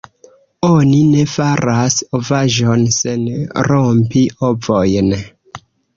Oni ne faras ovaĵon sen rompi ovojn!